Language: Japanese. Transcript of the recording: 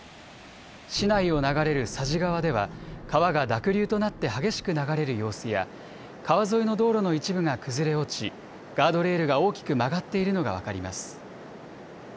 市内を流れる佐治川では川が濁流となって激しく流れる様子や川沿いの道路の一部が崩れ落ちガードレールが大きく曲がっているのが分かります。